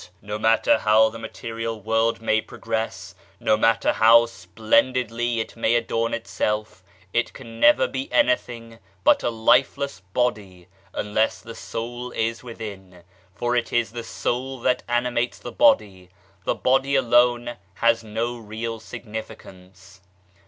No matter how the material world may progress, no matter how splendidly it may adorn itself, it can never be anything but a lifeless body unless the soul is within, for it is the soul that animates the body ; the body alone has no real significance.